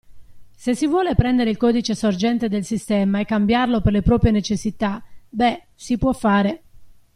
Se si vuole prendere il codice sorgente del sistema e cambiarlo per le proprie necessità, beh, si può fare.